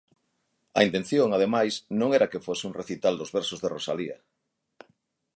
A intención, ademais, non era que fose un recital dos versos de Rosalía.